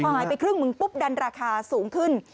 หายไปครึ่งหนึ่งปุ๊บดันราคาสูงขึ้น